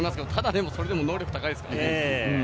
でもそれでも能力高いですからね。